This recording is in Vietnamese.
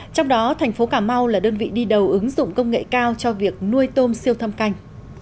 trong đó thành phố cà mau là đơn vị đi đầu ứng dụng công nghệ cao cho việc nuôi tôm siêu thâm canh